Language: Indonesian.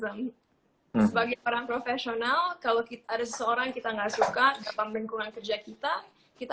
sebagai orang profesional kalau kita ada seseorang kita nggak suka dalam lingkungan kerja kita kita